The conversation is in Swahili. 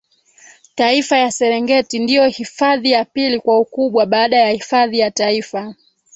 Taifa ya Serengeti ndio hifadhi ya pili kwa ukubwa baada ya hifadhi ya Taifa